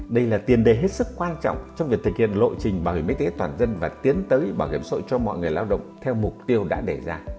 đây là tiền đề hết sức quan trọng trong việc thực hiện lộ trình bảo hiểm y tế toàn dân và tiến tới bảo hiểm xã hội cho mọi người lao động theo mục tiêu đã đề ra